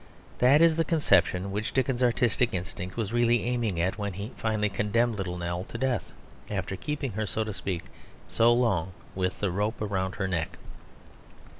That is the conception which Dickens's artistic instinct was really aiming at when he finally condemned Little Nell to death, after keeping her, so to speak, so long with the rope round her neck.